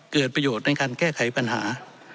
เกิดประโยชน์ในการแก้ไขปัญหา